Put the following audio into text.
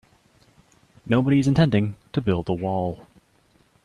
Nobody's intending to build a wall.